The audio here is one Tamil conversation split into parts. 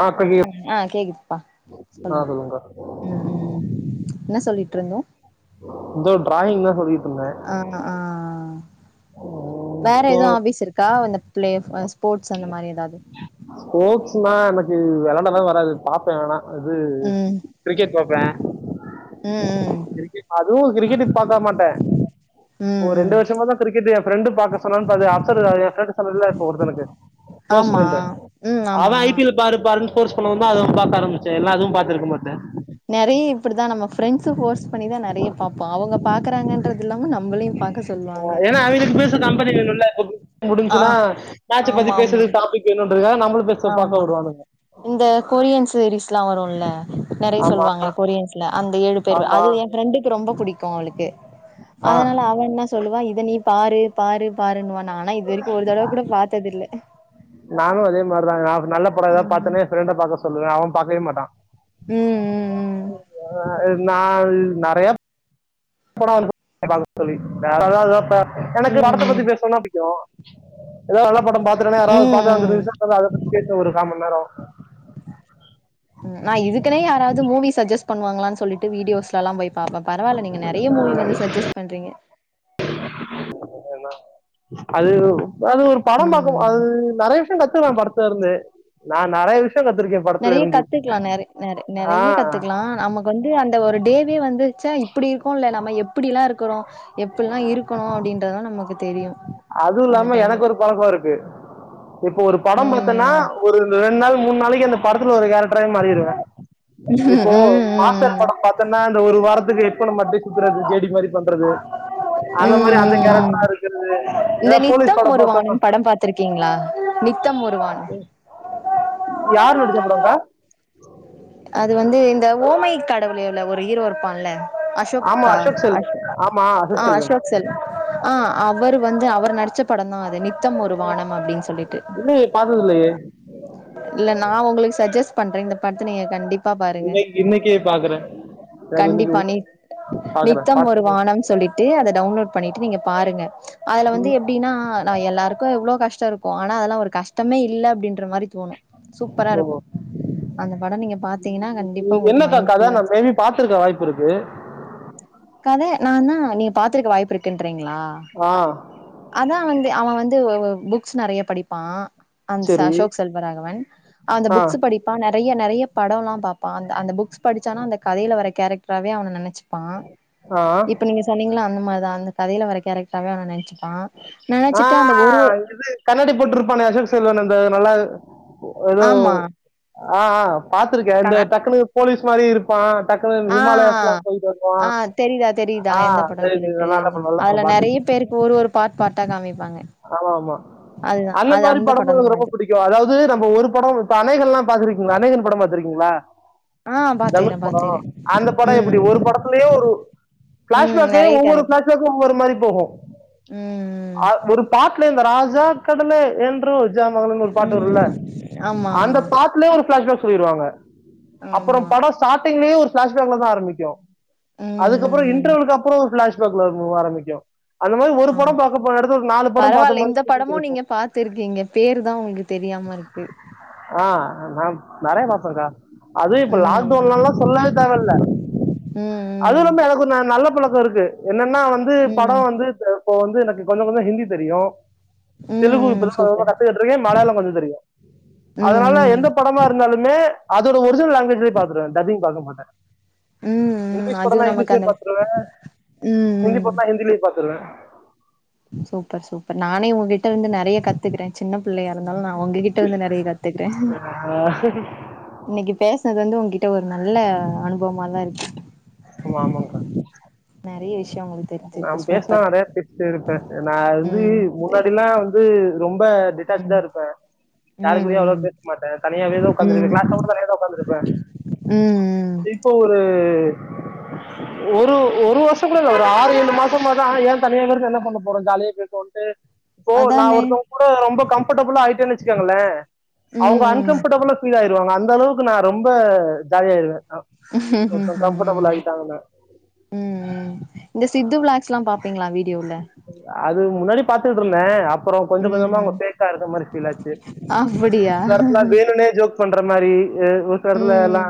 ஆ அக்கா ஆஹ் கேக்குது அ ஆ சொல்லுங்க சொல்லுங்கக்கா உம் உம் என்ன சொல்லிட்டு இருந்தேன் இதோ டிராயிங் தான் சொல்லிட்டு இருந்தேன் அஹ் ஆஹ் வேற எதுவும் ஆபீஸ் இருக்கா இந்த பிள்ளய ஸ்போர்ஸ் அந்த மாரி எதாது னா எனக்கு விளம்பரம் வராது வேணாம் இது ம் கிரிக்கெட் பாப்பேன் ம் ம் கிரிக்கெட் அதுவும் கிரிக்கெட்டுக்கு பாக்க மாட்டேன் இப்போ ம் ஒரு ம் ரெண்டு வருஷமா தான் கிரிக்கெட் என் ப்ரெண்டு பாக்க சொன்னானுப் பாத்தேன் அப்செட் என் பிரண்ட் சொன்னேன்ல ஒருத்தனுக்கு குளோஸ் ஆமா பிரண்ட்டு ம் ஆமா அவன் ஐ பி எல் பாரு பாருன்னு ஃபோர்ஸ் குள்ள வந்தா அது தான் பாக்க ஆரம்பிச்சேன் எல்லா அதும் நறைய இப்படிதான் நம்ம ஃபிரண்ட்ஸ் போர்ஸ் பண்ணிதான் நறைய பாப்போம் அவங்க பாக் இருக்காங்கன்றது இல்லாம நம்மளே உக்காந் ஆஹ் ஏன்னா அவங்கலுக்கு பேச கம்பெனி வேணும்ல்ல ஆ முடிஞ்ச்சுன்னா மேட்ச்சை பத்தி ஆமா ஆமா பேசுறதுக்கு டாபிக் வேணுன்றதுக்காக நம்மள ஆமா இந்த கொரியன் சீரீஸ் லாம் வ உன்னும் உல்ல நறைய ஆமா சொல்லுவாங்கள கொரியன்ஸ்ல அந்த ஏழு பேர் ஆமா அது என் ஃப்ரெண்டுக்கு ரொம்ப புடிக்கும் அவளுக்கு ஆ அதனால அவன் என்ன சொல்லுவா இத நீ பாரு பாரு பாரு நுவன் நான்லாம் இது வரைக்கும் ஒரு தடவை கூட பாத்தது இல்ல நானும் அதே மாரிதாங்க நல்ல பட எதான் ம் பாத்தேனே ஃப்ரெண்ட பாக்க சொல்லுவேன் அவன்ப் ப்பாக்கவே மாட்டான் உம் உம் உம் நான் நறைய படம் பாக்க சொல்லிருக்கேன் வேற [inaudible] ம் எனக்கு படத்தை பத்தி ம் பேசுனும்னா புடிக்கும் ஏதாவது நல்லா படம் பாத்துட்டேன்னா ம் யாராவது ம் பாக்காந்துச்சுனா அதை பத்தி பேசுவம் ஒரு காமணி நேரம் ம் நான் இதுக்குனே யாராவது மூவி சஜஸ் பண்ணுவாங்களான்னு சொல்லிட்டு வீடியோஸ்லலாம் போய் பா பரவாயில்ல நீங்க நிறைய மூவி வந்து சஜெஸ் பண்றீங்க ஏன அது அது ஒரு படம்பாக்கும் ம் அது நறைய விஷயம் கத்துகலாம் படத் தெருந்து நான் நறைய விஷ் நெறைய கத்துக்கலாம் நெற நெற நெறைய ஆஹ் கத்துக்கலாம் நமக்கு வந்து அந் ஒரு டேவே வந்து ச்ச இப்படி இருக்கோம் ல நம்ம எப் இப்பிடிலா இருக்கிறோ எப்ட்ல்லா இருக்கணு அப்டின்றதுல்லா நமக்கு தெரியு அதுவும் அந்த இல்லாம டைம்ல எனக்கு ஒரு பழக்கம் இருக்கு இப்போ ஒரு படோ பாத்தேன்னா ம் ஒரு ரெண்டு நாள் மூணு நாளைக்கி அந்த படத்துல வர கேரக்டராவே மாறிருவே ம் இப்போ ம் மாஸ்டர் படோ பாத்தேன்னா அந்த ஒரு வாரத்துக்கு ஹெட் ஃபோன மாட்டிட்டே சுத்துறது ஜே டி மாரி பண்றது ம் அந்த மாரி அந்த ம் கேரக்டரா இருக்கிறது இந்த ஏதாவது போலீஸ் நித்தம் படோ ஒரு பாத்தன்னா வானம் படம் பாத்திருக்கீங்களா நித்தம் ஒரு வானம் யார் நடிச்ச படங்க்கா அது வந்து இந்த ஓ மை கடவுளேல ஒரு ஹீரோ இருப்பான்ல அசோக்கா அசோக் ஆஹ் அசோக் செல்வன் ஆஹ் அவர் வந்து அவர் நடிச்ச படம்தா அ து நித்தம் ஒரு வானம் அப்டின்னு சொல்லிட்டு இன்னும் பார்த்தது இல்லையே இல்ல நா உங்களுக்கு சஜஸ்ட் பண்றே இந்த படத் த நீங்க கண்டிப் பா பாருங்க இன்னைக்கு இன்னைக்கே பாக்குறேன் எனக்கு இன்னைக்கு கண்டிப்பா நித் பாக்குறேன் நித்தம் பார்த்து- ஒரு வானம் சொல்லிட்டு அத டவுன்லோட் பண்ணிட்டு நீங்க பாருங்க அதுல வந்து எப்டின்னா நா எல்லாருக்கு எவ்ளோ கஷ் டோ இருக்கு ஆனா அதெல்லா ஒரு கஷ்டமே இல்ல அப்டின்ற மாரி தோணு சூப்பரா இருக்கு ஓ. பட நீங்க பாத்தீங்கன்னா கண்டிப்பா உங்களுக்கு என்னக்கா மைண்ட் கத ஃபுல்லா நா மேபி பாத்துருக்க வாய்ப்பு இருக்கு கத நா நா நீங்க பாத்திருக்க வாய்ப்பு இருக்குன்றீ ங்களா ஆ அதா வந்து அவன் வந் து புக்ஸ் நெறைய படிப்பா அந் சரி அசோக் செல்வராகவன் அந்த ஆ புக்ஸ் படிப்பா நெறைய நெறைய படோ எல்லா பாப்பா அந் அந்த புக்ஸ் படிச்சானா அந்த கதையில வர கேரக் டராவே அவன நெனைச்சுப்பா ஆ இப்ப நீங்க சொன்னீங்கல்ல அந்த மாரி தா அந்த கதைல வர கேரக்டராவே அவன நெனைச்சு ஆஹ் இது கண்ணாடி போட்ருப்பானே அசோக் செல்வன் அந்த நல்ல ஒ ஒரு ஆமா ஆஹ் ஆஹ் பாத்திருக்கே இந்த டக்குனு போலீஸ் மாரி இருப்பா ஆஹ் ஆஹ் தெரியுதா தெரியுதா ஆ எந்த படம்னு சரி, சரி. சொல்லிட்டு நல்ல படம், நல்ல அதுல படம் பாத்துருக்கேன். நெறைய பேருக்கு ஒரு ஒரு பார்ட் பார்ட்டா காமிப்பாங்க ஆமா ஆமா அதுதா அந்த அது மாரி படமு படம்தா எனக்கு ரொம்ப அது புடிக்கு அதாவது நம்ப ஒரு படோ இப்ப அநேகன்லா பாத்திருக்கீங்களா அநேகன் படோ பாத் துருக்கீங்களா ஆ தனுஷ் பாத்துக்கிறேன் படோ பாத்துக்கிறேன் அந்த படோ ம் எப்டி ஒரு படத்திலயே ஒரு ம் பிளாஷ்பேக்கு நெறைய ஒவ்வொரு கேரக்டர் பிளாஷ்பேக்கு ஒவ்வொரு மாரி ஓஹோ ம் ம் அ ஒரு பாட் ல இந்த ராஜா கடலே என்று ஜாமகள்னு ஒரு பாட்டு வரும்ல ம் ஆமா அந்த ஆமா பாட்லயே ஒரு ஃபிளாஷ்பேக் சொல்லிருவாங்க அப்புறோ ஆமா படோ ஸ்டா ட்டிங்ளயு ஒரு ஃபிளாஷ்பேக்லதா ஆரம்பிக்கு ம் அதுக்கப்புறோ ம் ம் இன்டர்வலுக்கு அப்புறோ ஒரு ஃபிளாஷ் பேக்ல இருந்துதா ஆரம்பிக்கு அந்த மாரி ஆமா பரவால்ல மாதிரி இந்த படமு இருக்கும் நீங்க பாத்துருக்கீங்க பேருதா உங்களுக்கு தெரியாம இருக்கு ஆ நா நெறய பாப்பேங்க்கா அது இப்ப லாக்டவுன்லல்லா ம் சொல்லவே தேவல்ல ம் ம் அதுல்லாம எனக்கு ஒரு ந நல்ல பழக் கோ இருக்கு என்னன் னா வந்து படோ ம் வந்து த இப்போ வந்து எனக்கு கொஞ்ச கொஞ்ச ஹிந்தி தெரியு ம் தெலுகு ம் இப்பதா ஓரளவு சூப்பர் கத்துக்கிட்டு இருக்கே மலையாளோ கொஞ்ச தெரியு ம் அதனால ம் எந்த படமா இருந்தாலுமே அதோட ஒரிஜினல் லாங்வேஜுலயே பாத்துருவே டப்பிங் பாக்க மாட்டே ம் ம் இங்கிலீஷ் அதுவு படனா நமக்கு இங்கிலீஷ்லயே அந்த பாத்துருவே ம் ஹிந்தி ம் படனா ஹிந்திலயே பாத் துருவே சூப்பர் சூப்பர் நானே உங்ககிட்ட இருந்து நெறைய கத்துக்கிட்டே சின்ன பிள்ளையா இருந்தாலு நா உங்ககிட்ட இருந்து நெறைய கத்துக்கிறே ஆஹ் இன்னைக்கி பேசினது வந்து உங்கி ட்ட ஒரு நல்ல அனுபவமாதா இருக்கு நெறைய விஷயோ உங்களுக்கு நா தெரிஞ்சிருக்கு பேசினா சூப்பர் நெறைய பேசிட்டே இருப்பே நா வந்து ம் முன்னாடிலா வந்து து ரொம்ப ம் டிட்டாச்டா இருப்பே யாருகூடயு ம் அவ்ளவா பேச மாட்டே தனியாவேதா ம் உக்காந்துருக்க ம் கிளாஸ்ல கூட தனியாதா உக்காந்துருப்பே ம் இப்போ ஒரு ஒரு ஒரு வருஷோ கூட இல்ல ஒரு ஆறு ஏழு மாசமாதா ஏன் தனியா இருந்து என்ன பண்ண போறோ ஜாலியா பேசுவோன்ட்டு இப்போ நா அதானே ஒருத்தவங்க கூட ரொம்ப கம்பஃபர்டபுளா ஆயிட்டேனு வச்சுக்கங்களே ம் அவங்க ம் அன்கம்பர்டபுளா ஃபீல் ஆயிரு வாங்க அந்த அளவுக்கு நா ரொம்ப ஜாலியாயிருவே [inaudible] கம்ஃபர்ட்டபிள் ஆயிட்டாங்கனா ம் இந்த சித்து வ்ளாக்ஸ்லா பாப்பீங்களா வீட் ட்யூல அது முன்னாடி பாத்துட்டுருந்தே அப் பறோ கொஞ்ச கொஞ்சமா அவங்க ம் ஃபேக்கா இருக்க மாரி ஃபீலாச்சு ஒரு அப்டியா சில எடத்துல வேணுன்னே ஜோக் பண்ற மாரி ஏ ஒரு சில எடத்துல எல்லா ம்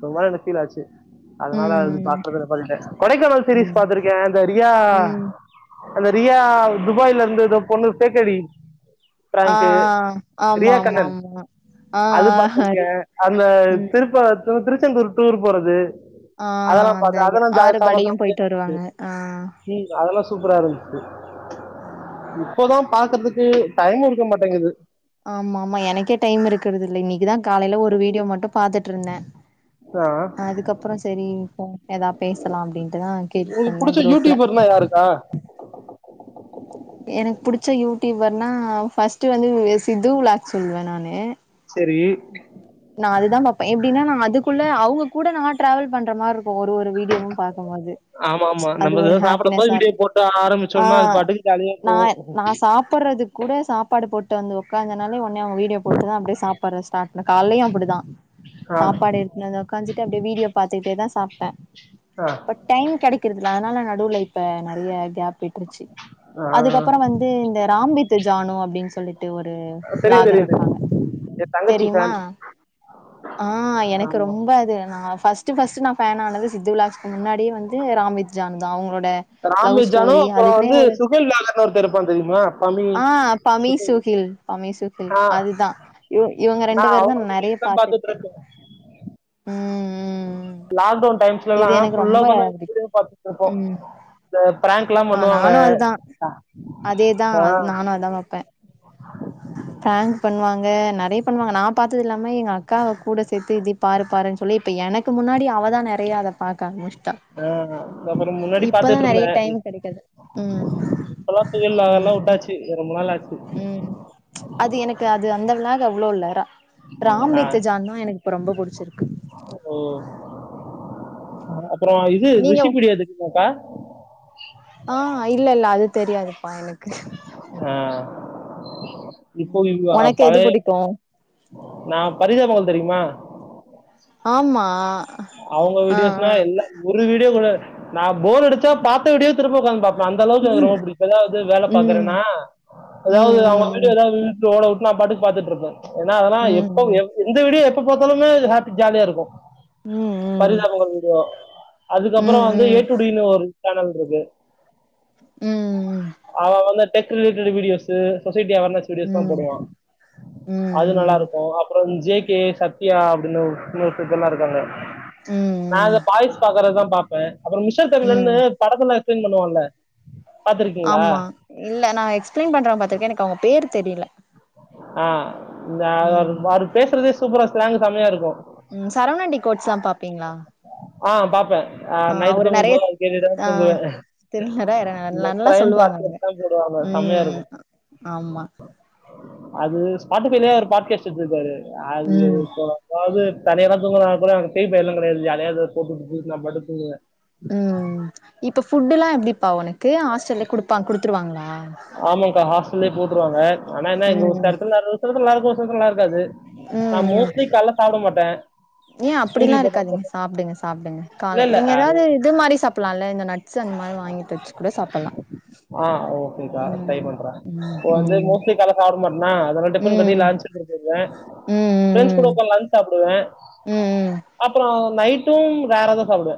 ஒரு மாரி எனக்கு ஃபீல் ஆச்சு அதனால அது ம் பாக்குறத நிப்பாட்டிட்டே கொடைக்கானல் சீரீஸ் ம் பாத்திருக்கே அந்த ரியா ம் அந்த ரியா துபாயில இருந்து எதோ பொண்ணு ஃபேக் ஐ டி ஆ ப்ராங்கு ஆ ஆமா ரியா ஆமா கண்ணன் ஆமா ஆ அது பாத்திருக்கே ஹரி அந்த ம் திருப்ப து திரு ச்செந்தூர் டூர் போறது ஆஹ் அதெல்லாம் அந்த பார்த்தேன் ரியா அதெல்லாம் ஜா- செம ஆறுபடையும் ஆ இருந்துச்சு. போயிட்டு வருவாங்க ஆஹ் ப்பரா இருந்துச்சு இப்பதா பாக்கறதுக் கு டைமு இருக்க மாட்டேங்குது ஆமா ஆமா எனக்கே டைம் இருக்கிறது இல்ல இன்னைக்குதா காலைல ஒரு வீடியோ மட்டு பாத்துட்டு இருந்தே ஆ, அதுக்கப்புற சரி இப்போ ஏதா பேசலா அப்டின்ட்டுதா உங்களுக்கு கேட்டுட்ருந்த பிடிச்ச குரூப்ல யூடியூபர்னா யாருக்கா எனக்கு புடிச்ச யூடியூபர்னா ஃபர்ஸ்ட் வந்து சித்து விளாக் சொல்லுவே நானு சரி அதுதான் பாப்பே எப்டினா நா அதுக்குள்ள அவங்க கூட நான் ட்ராவல் பண்ற மாரி இருக்கு ஒரு ஒரு வீடியோவு பாக் கும்போது ஆமாமா. அது நம்ம ஒரு ஏதோ சாப்பிடும்போது ஹாப்பினஸா வீடியோ இரு போட்டு ஆரம்பிச்சோம்னா, அது ஆஹ் பாட்டுக்கு ஜாலியா நா போகும். நா சாப்படுறது கூட சாப்பாடு போட் டு வந்து உக்காந்தனாலே ஒடனே அவங்க வீடியோ போட்டுதா அப்டியே சாப்பட ஸ்டார்ட் பண்ணுவே காலலயு அப்பிடிதா ஆ, சாப்பாடு எடுத்துனு வந்து உக்காஞ்சு ட்டு அப்டியே வீடியோ பாத்துக்கிட்டேதா சாப் டே ஆ, இப்ப டைம் கெடைக்கிறதில்ல அதனால நா நடுவுல இப்ப நெறைய கேப் விட்ருச்சு ஆ. அதுக்கப்புற வந்து இந்த ராம் வித் ஜானு அப்டின்னு சொல்லி ட்டு ஒரு தெரியும், விளாகர் தெரியும், தெரியும். இருப்பாங்க என் தங்கச்சி தெரியுமா ஃபேன். ஆஹ் எனக்கு ஆமா. ரொம்ப அது நா ஃபர்ஸ்ட் ஃபர்ஸ்ட் நா ஃபேன் ஆனது சித்து விளாக்ஸ்க்கு முன்னாடியே வந்து ராம் வித் ஜானுதா அவங்களோ ட லவ் ராம்வெஜ் அணு ஸ்டோரி அப்புறம் அதுக்குனே வந்து ஒரு சுஹைல் நாகர்னு ஒருத்தன் இருப்பான் தெரியுமா? தமிழ் ஆ பமி சுஹைல். சுகில் பமி சுகில் அதுதா இ இவங்க ரெண்டு பேரு தா நா அவங்களோட நெறைய ரீல்ஸதா பாத்திருக்கே பாத்துட்ருக்கே ம் ம் ம் லாக்டன் டைம்ஸ்ல்லா இது எனக்கு ஃபுல்லா ரொம்ப ஒக்காந்து இந்த பிடிக்கு வீடியோ தான் பாத்துட்டு இருப்போம் ம் இந்த ப்ராங்க்லா ஆ பண்ணுவாங்க நானு அதுதா அதேதா அஹ் நானு அதா பாப்பே நறைய பண்ணுவாங்க நா நா பாத்தது இல்லாம எங்க அக்காவ கூட சேத்து இது பாரு பாரு சொல்லி இப்ப எனக்கு முன்னாடி அவ இப்பதான் நறைய அத பாக்க ஆரம்மிச்சிட்டா ஆ. அப்புறம் முன்னாடி இப்பதான் நறைய பாத்துட்ருந்தேன். டைம் கெடைக்காது ம்ம் இப்பலாம் சுஹைல் நாகர்லாம் உட்டாச்சு. ரொம்ப நாள் ஆச்சு. ம்ம் அது எனக்கு அது அந்த விளாக் அவ்ளோ நேரா ஆஹ் புடிச்சிருக்கு ஓ அப்றம் இது நீங்க ரேசிபி வீடியோது தெரியுமா கா [inaudible] ஆஹ் இல்ல இல்ல அது தெரியாது அப்பா எனக்கு ஆ, [inaudible] ம்ம் இவ்- ஒனக்கு எது பழைய புடிக்கும் நான் பரிதாபங்கள் தெரியுமா ஆமா அவுங்க ஆ வீடியோஸ்னா ஆ எல்லாம் ஒரு வீடியோ கூட நான் போர் அடிச்சா பாத்த வீடியோ திரும்பக்க பாப்ப அந்த அளவுக்கு எனக்கு ரொம்ப புடிக்கும் ஏதாவது வேலை ம் பாக்றேன்னா அதாவது அவுங்க ம் வீடியோஎதாவது ஓடவுட் நா பாட்டுக்கு பாத்துட்டு இருப்பேன் ஏன்னா அதெல்லா ம் எப்ப ம் எந்த வீடியோ எப்ப பாத்த எப்பொதுமே ஹாப்பி ஜாலியா இருக்கு ம் ம் பரிதாபங்கள் வீடியோ அதுக்கப்புற வந்து ம் ஏட்டுடீனு ஒரு ச்சேனல் இருக்கு ம் ம் அவ வந்து [unintelligible] அவனஸ் ம் வீடியோஸ் தான் ம் போடுவான் ம் ம் ம் அது நல்லா ம் இருக்கும் அப்புறம் ஜேக்க கே சத்யா அப்டின்னு இன்னொரு பீபில்லாம் இருக்காங்க ம் ம் ம் நாங்க பாய்ஸ் பாக்குறதுதான் பாப் இப்ப அப்புற மிஷல் தமிலருந்து ம் படத்துல பண்ணுவான்ல பாத்திருக்கீங்களா ஆமா இல்ல நான் எக்ஸ்பிளைன் பண்ற பாத்துருக்கே எனக்கு அவுங்க பேர் தெரில ஆஹ் அந்த ம் அவர் பேசுறதே சூப்பரா ஸ்லாங் செமையா இருக்கும் ம் சரவணண்டி கோட்ஸான் பாப்பீங்களா ஆ பாப்பே ஆ ஆஹ் நைட்டு அவரு நெறைய தூங்கும்போது அது கேட்டுட்டேதா ஆ தூங்குவே திருநற இந்த நல்லா க்ரைம் சொல்லுவாங்க அவங்க [unintelligible] போடுவாங்க செமையா ம் இருக்கு ஆமா அது ஸ்பாட்டிஃபைலயே அவரு பாட்காஸ்ட் வச்சிருக்காரு அது ம் [unintelligible] அதாவ்து தனியாதா தூங்கறா போல எனக்கு பேய் பயோ எல்லா கெடையாது ஜாலியா எதோ போட்டுவிட்டுட்டு நா பாட்டுக்கு தூங்குவே ம் இப்ப ஃபுட்டு் எல்லா எப்டிப்பா உனக்கு ஹாஸ்டல்லயே குடுப்பா குடுத்துருவாங்களா ஆமாக்கா ஹாஸ்டல்லயே போ ட்ருவாங்க ஆனா என்ன இங்க ம் [unintelligible] நல்லா இருக்கு [unintelligible] நல்லா இரு க்காது நா மோஸ்ட்லி கால்ல சாப்ட மாட்டே ஏன் அப்பிடிலா இருக்காதீங்க சாப்டுங்க சாப்டுங்க இல்ல காலை இல்ல நீங்க அது ஏதாவது இது மாரி சாப்டலா இல்ல இந்த நட்ஸு அந்த மாரி வாங்கிட்டு வச்சு கூட சாப்டலா ங்க்கா ட்ரை பண்றே இப்ப வந்து மோஸ்ட்லி காலைல சாப்ட மாட்னா அதனால டிஃபன் கட்டி ம் லன்ச் எடுத்துட்டு போயிருவே ஃபிரண்ட்ஸ் ம் கூட உக்காந்து லஞ்ச் சாப்டுவே ம் ம் அப்புறோ நைட் டும் வேறதா சாப்டுவே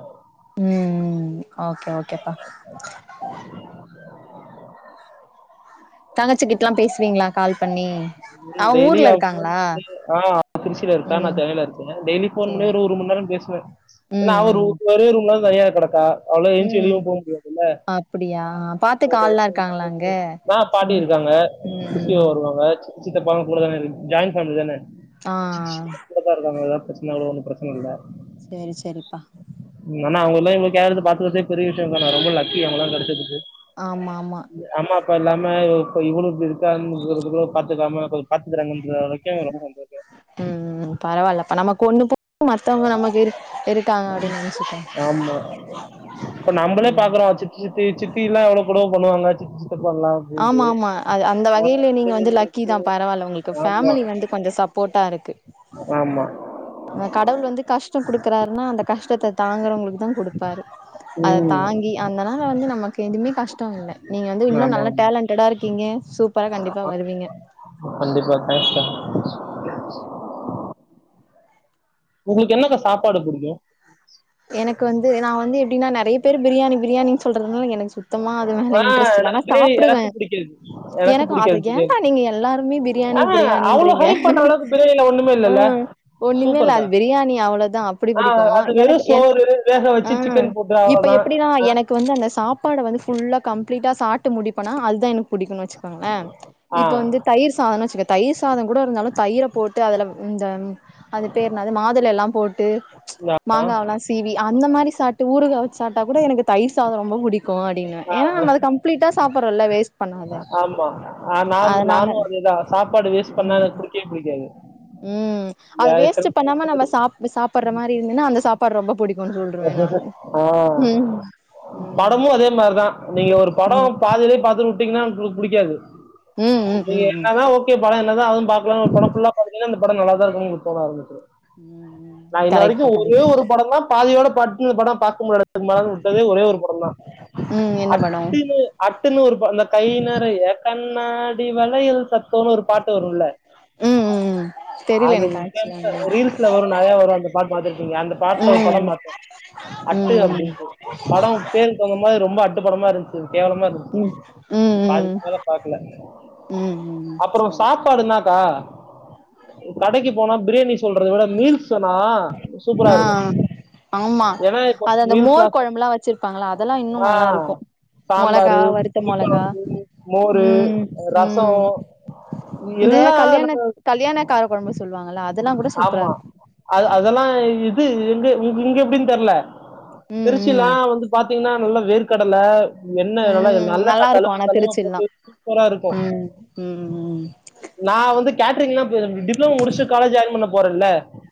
உம் ஓகே ஓகேப்பா தங்கச்சிக்கிட்ட எல்லா பேசுவீங்களா கால் பண்ணி ம் அவங்க டெய்லி ஊர்ல அவுளுக்கு ஃபோன் இருக்காங்களா பண்ணி ஆ திருச்சியில இருக்கா நா ம் சென்னையில இருக்கே டெய்லி ஃபோன் பண்ணி சேரி ஒரு மணி நேர பேசுவே ஏன்னா ம் அவ ஒரு ம் ஒரே ரூம்ல தனியா கெடக்கா அவ்ளா எஞ்ச்சு ம் வெளியு போமுடியாதுல்ல [inaudible] அப்டியா பாத்துக்க ஆள்லா இருக்காங்களா அங்க ஆ பாட்டி ம் இருக்காங்க ம் [unintelligible] ம் சொல்லுவாங்க சி சித்தப்பால கூடதான இருக்கு ஜாய்ண் ஃபேமிலிதான ஆ [unintelligible] பிரச்சன அவ்ளோ ஒன்னும் பிரச்சன இல்ல சேரி சேரிப்பா ஆனா அவுங்கல்லா இவ்ளோ கேர் எடுத்து பாத்துக்கறதே பெரிய விஷயோங்க்கா நா ரொம்ப லக்கி அவுங்கல்லா கெடைச்சதுக்கு ஆமா ஆமா அப்பா இல்லாம இப்ப இவுளு இப்டி இருக்கா [unintelligible] [unintelligible] பாத்துக்காம கொஞ்ச பாத்துக்கறாங்கன்ற வரைக்கு ரொம்ப சந்தோஷோ ம் பரவால்ல அப்ப நமக்கு ஒண்ணு போ மத்தவங்க நமக்கு இரு இருக் ஆமா இப்ப நம்பளே ம் பாக்குறோ சித்த சித்தி எல்லா எவ்ளவு கொடும பண்ணுவாங்கவாங்க சி ஆமா ஆமா அந்த வகையில நீங்க வந்து லக்கி அப்டிங்கிறப்போ தா பரவால்ல உங்களுக்கு ஆமா ஃபேமிலி வந்து கொஞ்ச சப்போர்ட்டா இருக்கு ஆமா அ கடவுள் வந்து கஷ்ட குடுக்குறாருன்னா அந்த கஷ்டத்தை தாங்குறவங்களுக்கு தா கொடுப்பரு அத ம் தாங்கி அந்தனா இப்ப வந்து நமக்கு எதுவுமே கஷ்டம் இல்ல நீங்க வந்து இன்னும் ஆமா நல்ல ஆமா டேலன்டடா இருக்கீங்க சூப்பரா கண்டிப்பா வருவீங்க கண்டிப்பா தேங்க்ஸ்க்கா உம் உங்குளுக்கு என்னக்கா சாப்பாடு புடிக்கும் எனக்கு வந்து சொல்றது எனக் சுத்தமா அது மேல ஆ இன்ட்ரெஸ்ட் இல்ல எனக்கு ஆனா பிரியாணி சாப்பிடுவே எனக்கும் பிடிக்காது எனக்கும் எனக்கு அத பிடிக்காது பிரியாணி ஏண்டா நீங்க எல்லாருமே பிரியாணி ஆ அவ்வளோ பிரியாணீன்றிங்க ஹைப் பண்ற அளவுக்கு பிரியாணில ஒண்ணுமே இல்லைல்ல ஆஹ் ஒண்ணுமே இல் சூப்பர்க்கா அது பிரியாணி அவ்ளவுதா அப்புடி ஆ பிடிக்கு அது எனக்கு வெறும் சோறு வேக வச்சு ஆஹ் சிக்கன் போட்டு இப்ப அவ்வளவுதான் எப்பிடிலா எனக்கு வந்து அந்த சாப்பாட வந்து ஃபுல்லா கம்பிளீட்டா சாப்ட்டு முடிப்பனா அது தா எனக் புடிக்கும்னு வச்சுக்கோங்கள ஆ, ஆ இப்ப வந்து தயிர் சாதம் வச்சுக்க தயிர் சாத கூட இருந்தாலு தயிர போட்டு அதுல இந்த அது பேர் என்னாது மாதுளல்லாம் போட்டு ச் நா- மாங்கால்லாம் சீவி அந்த மாரி சாப்ட்டு ஊருகா வச்சூ சாப்ட்டா கூட எனக்கு தயிர் சாதம் ரொம்ப புடிக்கும் அப்டினுவேன் ஆ, ஏனா நம்ம அத கம்ப்ளீட்டா சாப்றம்ல்ல வேஸ்ட் பண்ணாத ஆமா ஆஹ் நான் அதனால நானும் அதேதான் சாப்பாடு வேஸ்ட் பண்ணா எனக்கு புடிக்கவே புடிக்காது உம் அது வேஸ்ட் பண்ணாம நம்ம சாப் சாப்டுற மாரி இருந்துன்னா அந்த சாப் ரொம்ப புடி ஆஹ் ம் படமும் அதே மாரிதான் நீங்க ஒரு ம் ம் படம் பாதிலேயே பாத்து தீங்னா புடிக்காது ம் நீங்க ம் ம் என்னதான் ஓகே படம் என்னதான் ஆவும் பாக்கலாம் படம்புல்லா ஒரு படம் பாத்தீங்கன்னா படம் நல்லாதா இருக்கும் உங்களுக்கு தோண ஆரம்பிச்சுரும் ம் நான் இன்ன கரெக்ட்பா வரைக்கும் ஒரே கரெக்ட் ஒரு படம் தான் ஃபேமிலியோட பாத்து படம் பாக் வுட்டதே ஒரே ஒரு படம் தான் ம் என்ன படோ அட்டுன்னு அட்டுன்னு ஒரு அந்த கையிநிறைய கண் கண்ணாடி வளையல் சத்தம்னு ஒரு பாட்டு வரும்ல ம் ம் ம் தெரில அது எனக்கு ஆக்சுவலா ரீல்ஸ்ல வரும் நெறைய வரும் அந்த பாட் பாத்திருக்கீங்க அந்த பாட்டு்ல ம் படம் பாத்தேன் அட்டு ம் ம் அப்டின்டு படம் பேருக்கு தகுந்த மாரி ரொம்ப அட் அட்டு படமா இருந்துச்சு கேவலமா இருந்துச்சு ம் ம் பாதிக்குமேல பாக்கல ம் ம் அப்பறம் சரி சாப்பாடு என்னாக்கா கடைக்கு போனா பிரியாணி சொல்றது விட மீல்ஸ் சொன்னா சூப்பரா ஆ இருக்கும் ஆமா ஏன்னா இப்போ அது அந்த மோர் மீல்ஸ்லாம் குழம்புல்லாம் வச்சிருப்பாங்களா அதெல்லாம் இன்னும் ஆ நல்லா இருக்கும் மொளகா சாம்பாரு, வருத்த மொளகா புளிக்கொழம்பு, மோரு, உம் ரசோ உம் இந்த எல்லா கல்யாண நம்ம கல்யாண கார குழம்பு சொல்லுவாங் ஆமா அ அதெல்லாம் இது இங்க எப்டின்னு தெரில ம் ம் திருச்சியிலாம் வந்து பாத்தீங்கன்னா நல்ல வேர்க்கடலை எண்ண நல்லா ம் நல்லெண்ணெ நல்லா இருக்கு தலும ஆனா தலும திருச்சில்லா போட்டு சூப்பரா இருக்கும் ம் ம் ம் நான் வந்து கேட்ரிங்னா டிப்ளோமா முடிச் சுட்டு காலேஜ் ஜாயின் பண்ண போறே இல்ல